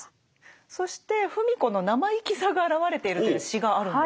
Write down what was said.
そして芙美子の生意気さが表れているという詩があるんですね。